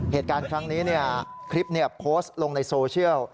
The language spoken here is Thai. เหตุการณ์ครั้งนี้คลิปโพสต์ลงในโซเชียล